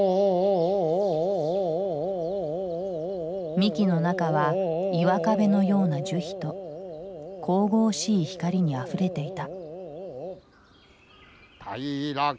幹の中は岩壁のような樹皮と神々しい光にあふれていた。